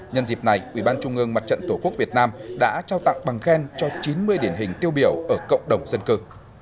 nhân dịp này ủy ban trung ương mặt trận tổ quốc việt nam đã trao tặng bằng khen cho chín mươi điển hình tiêu biểu ở cộng đồng dân cư